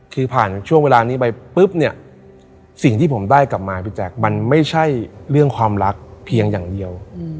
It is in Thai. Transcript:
คือผ่านช่วงเวลานี้ไปปุ๊บเนี่ยสิ่งที่ผมได้กลับมาพี่แจ๊คมันไม่ใช่เรื่องความรักเพียงอย่างเดียว